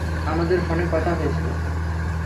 আমাদের ফোনে কথা হয়েছিল।